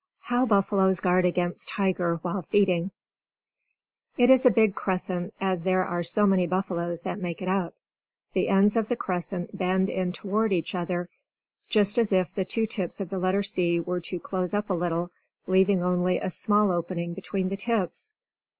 How Buffaloes Guard against Tiger while Feeding It is a big crescent, as there are so many buffaloes that make it up. The ends of the crescent bend in toward each other, just as if the two tips of the letter C were to close up a little, leaving only a small opening between the tips.